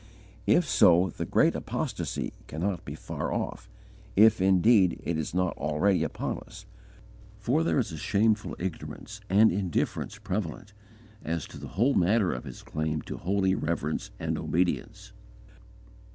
_ If so, the great apostasy cannot be far off, if indeed it is not already upon us, for there is a shameful ignorance and indifference prevalent, as to the whole matter of His claim to holy reverence and obedience.